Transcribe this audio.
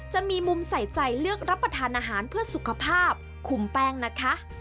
จะมีมุมใส่ใจเลือกรับประทานอาหารเพื่อสุขภาพคุมแป้งนะคะ